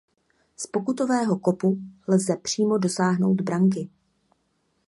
Z pokutového kopu lze přímo dosáhnout branky.